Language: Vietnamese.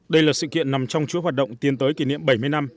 đây là sự kiện nằm trong chúa hoạt động tiến tới kỷ niệm bảy mươi năm